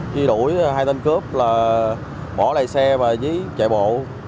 chi đuổi hai tên cướp là bỏ lại xe và dí chạy bộ